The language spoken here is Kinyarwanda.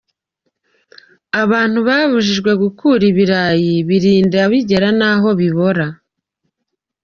Abantu babujijwe gukura ibirayi birinda bigera aho bibora”.